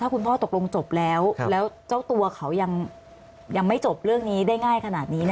คุณพ่อตกลงจบแล้วแล้วเจ้าตัวเขายังไม่จบเรื่องนี้ได้ง่ายขนาดนี้